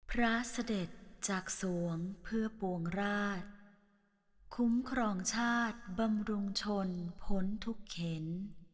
พระเสด็จจากสวงเพื่อปวงราชคุ้มครองชาติบำรุงชนพ้นทุกเข็น